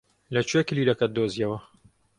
لەکوێ کلیلەکەت دۆزییەوە؟